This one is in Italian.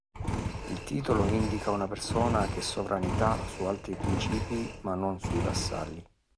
Il titolo indica una persona che sovranità su altri principi ma non sui vassalli.